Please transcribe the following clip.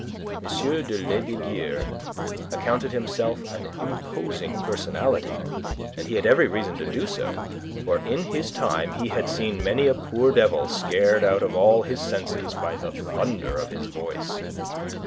M. de Lesdiguieres accounted himself an imposing personality, and he had every reason to do so, for in his time he had seen many a poor devil scared out of all his senses by the thunder of his voice.